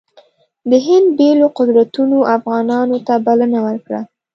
د هند بېلو قدرتونو افغانانو ته بلنه ورکړه.